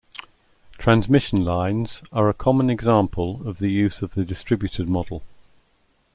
Transmission lines are a common example of the use of the distributed model.